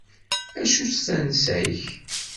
Acu-tt tansa-k?